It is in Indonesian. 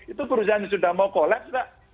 itu perusahaan sudah mau collapse mbak